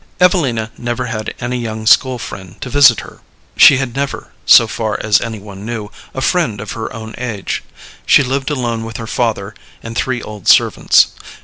Evelina never had any young school friend to visit her; she had never, so far as any one knew, a friend of her own age. She lived alone with her father and three old servants.